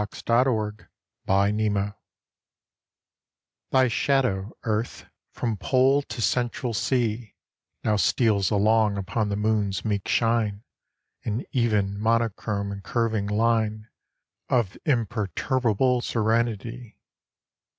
AT A LUNAR ECLIPSE THY shadow, Earth, from Pole to Central Sea, Now steals along upon the Moon's meek shine In even monochrome and curving line Of imperturbable serenity.